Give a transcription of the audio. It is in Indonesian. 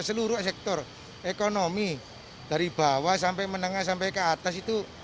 seluruh sektor ekonomi dari bawah sampai menengah sampai ke atas itu